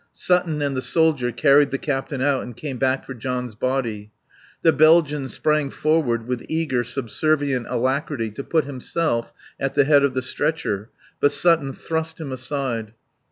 Sutton and the soldier carried the captain out and came back for John's body. The Belgian sprang forward with eager, subservient alacrity to put himself at the head of the stretcher, but Sutton thrust him aside.